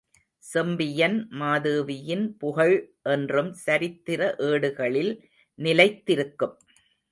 செம்பியன் மாதேவியின் புகழ் என்றும் சரித்திர ஏடுகளில் நிலைத்திருக்கும்.